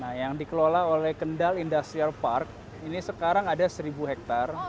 nah yang dikelola oleh kendal industrial park ini sekarang ada seribu hektare